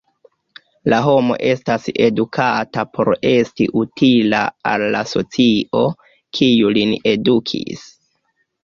La homo estas edukata por esti utila al la socio, kiu lin edukis.